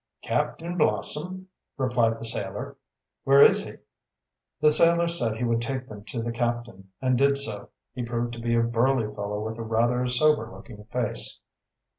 "Captain Blossom," replied the sailor. "Where is he?" The sailor said he would take them to the captain and did so. He proved to be a burly fellow with rather a sober looking face.